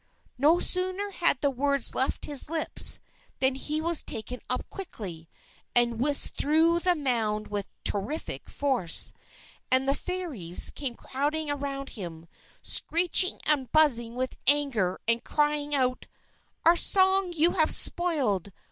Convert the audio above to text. _" No sooner had the words left his lips, than he was taken up quickly, and whisked through the mound with terrific force. And the Fairies came crowding around him, screeching and buzzing with anger, and crying out: "_Our song you have spoiled!